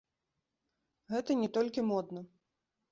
Гэта не толькі модна.